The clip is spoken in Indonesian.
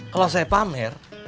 kalau saya pamer